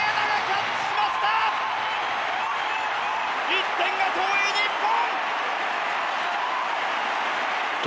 １点が遠い日本。